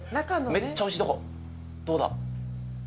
めっちゃおいしいところ。